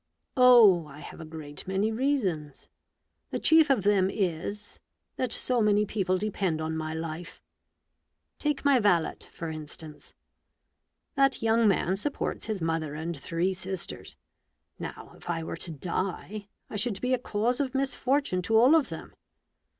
" Oh ! I have a great many reasons. The chief of them is, that so many people depend on my life. Take my valet, for instance. That young man supports his mother and three sisters. Now if I were to die, I should be a cause of misfortune to all of them.